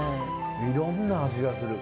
いろんな味がする。